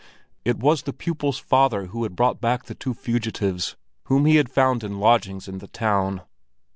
It was the pupil's father who had brought back the two fugitives, whom he had found in lodgings in the town.